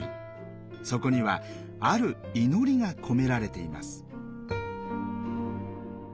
そこにはある祈りが込められています。